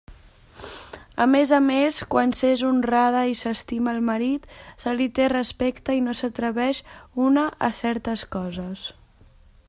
A més a més, quan s'és honrada i s'estima el marit, se li té respecte i no s'atreveix una a certes coses.